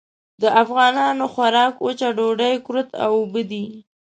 د افغانانو خوراک وچه ډوډۍ، کُرت او اوبه دي.